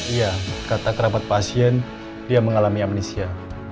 iya kata kerabat pasien dia mengalami amnesia